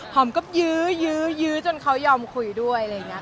หอมก็ยื้อยื้อจนเขายอมคุยด้วยอะไรอย่างนี้ค่ะ